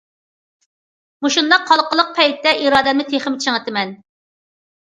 مۇشۇنداق ھالقىلىق پەيتتە ئىرادەمنى تېخىمۇ چىڭىتىمەن.